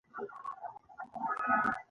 تاریخ ښيي، چې خلک څنګه کیسې مني.